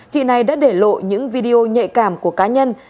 chị này đã để lộ những video nhạy cảm của cá nhân